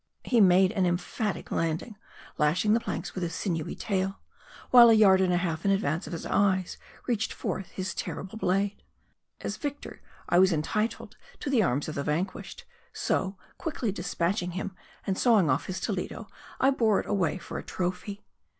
He made an emphatic landing ; lashing the planks with his sinewy tail ; while a yard and a half in advance of his eyes, reached forth his terrible blade. 128 M A R D I. As victor, I was entitled to the arms of the vanquished ; so, quickly dispatching him, and sawing off his Toledo, I bore it away for a trophy.